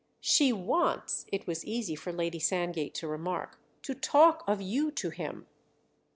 "She wants"—it was easy for Lady Sandgate to remark—"to talk of you to him."